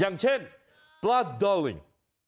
อย่างเช่นปลาดอริน